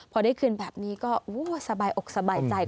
พอได้คืนแบบนี้ก็สบายอกสบายใจ